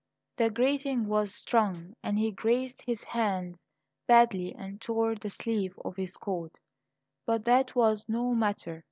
The grating was strong, and he grazed his hands badly and tore the sleeve of his coat; but that was no matter.